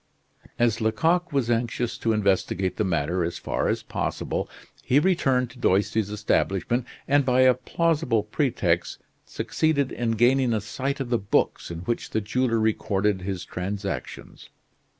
As Lecoq was anxious to investigate the matter as far as possible, he returned to Doisty's establishment, and, by a plausible pretext, succeeded in gaining a sight of the books in which the jeweler recorded his transactions.